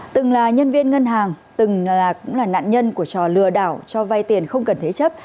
từng là nhân viên ngân hàng cũng là nạn nhân của trò lừa đảo cho vay tiền không cần thế chấp